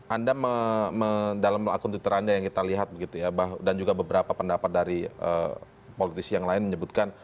anda dalam melakukan titaran yang kita lihat dan juga beberapa pendapat dari politisi yang lain menyebutkan